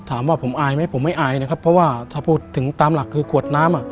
ถามว่าผมอายไหมผมไม่อายนะครับเพราะว่าถ้าพูดถึงตามหลักคือขวดน้ำอ่ะ